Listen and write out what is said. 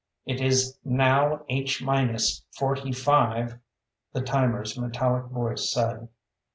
"It is now H minus forty five," the timer's metallic voice said.